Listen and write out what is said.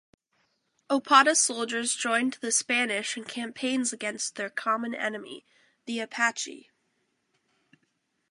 Opata soldiers joined the Spanish in campaigns against their common enemy, the Apache.